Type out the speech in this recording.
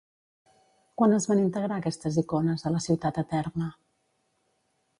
Quan es van integrar, aquestes icones, a la ciutat eterna?